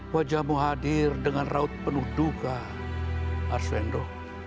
wajahmu hadir dengan raut penuh duka arswendo